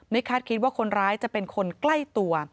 คาดคิดว่าคนร้ายจะเป็นคนใกล้ตัว